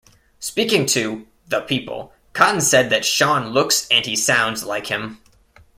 Speaking to "The People", Cotton said that Sean looks and he sounds like him.